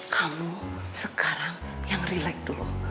kamu sekarang yang relax dulu